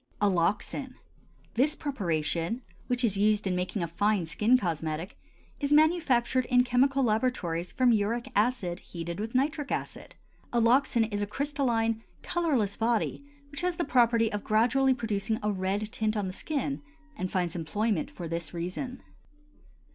ALLOXAN. This preparation, which is used in making a fine skin cosmetic, is manufactured in chemical laboratories from uric acid heated with nitric acid. Alloxan is a crystalline colorless body which has the property of gradually producing a red tint on the skin and finds employment for this reason.